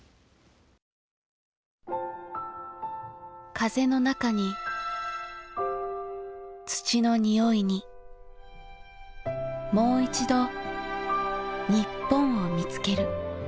風の中に土の匂いにもういちど日本を見つける。